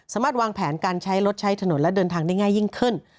วางแผนการใช้รถใช้ถนนและเดินทางได้ง่ายยิ่งขึ้น